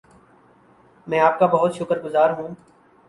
میں آپ کا بہت شکر گزار ہوں